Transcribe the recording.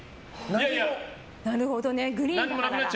なるほどね、グリーンだから。